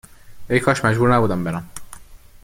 ای کاش مجبور نبودم برم